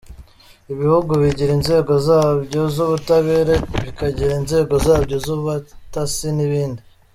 Ibihugu bigira inzego zabyo z’ubutabera, bikagira inzego zabyo z’ubutasi n’ibindi.